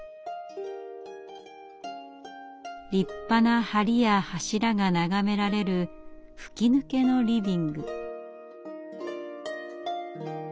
立派な梁や柱が眺められる吹き抜けのリビング。